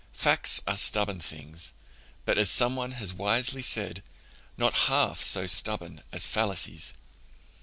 Facts are stubborn things, but as some one has wisely said, not half so stubborn as fallacies.